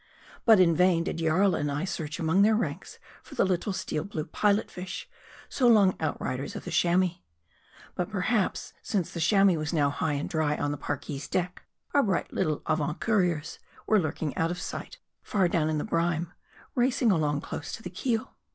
But in vain did Jarl and I search among their ranks for the little, steel blue Pilot fish, so long outriders of the Chamois. But per haps since the Chamois was now high and dry on the Parki's deck, our bright little avant couriers were lurking out of sight, far down in the brine ; racing along close to the keel.